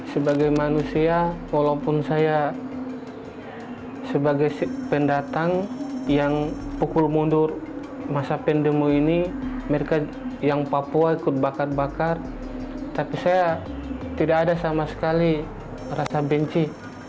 sebagai manusia walaupun saya sebagai pendatang yang pukul mundur masa pendemo ini mereka yang papua ikut bakar bakar tapi saya tidak ada sama sekali rasa benci